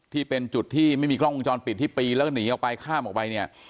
ที่เป็นจุดที่ไม่มีกล้องวงจรปิดที่ปีนแล้วก็หนีออกไปข้ามออกไปเนี่ย